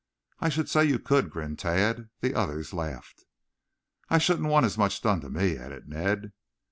"I should say you could," grinned Tad. The others laughed. "I shouldn't want as much done to me," added Ned.